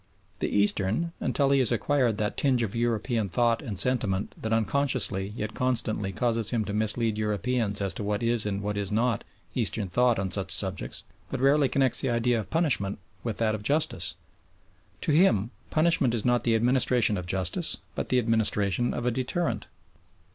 The Eastern, until he has acquired that tinge of European thought and sentiment that unconsciously yet constantly causes him to mislead Europeans as to what is and what is not Eastern thought on such subjects, but rarely connects the idea of punishment with that of justice. To him punishment is not the administration of justice but the administration of a deterrent.